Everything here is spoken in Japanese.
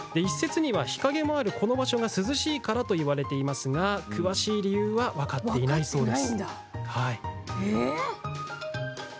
一説には、日陰もあるこの場所が涼しいからといわれていますが詳しい理由は分かっていないそうです。